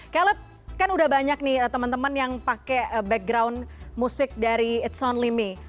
caleb kan udah banyak nih teman teman yang pakai background musik dari it's only me